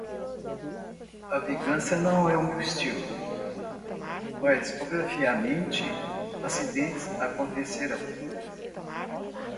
A vingança não é meu estilo?, mas obviamente acidentes acontecerão.